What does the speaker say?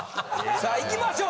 さあいきましょう。